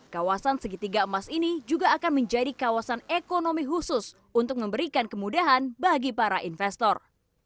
kawasan segitiga emas ini juga akan menjadi kawasan ekonomi khusus untuk memberikan kemudahan bagi para investor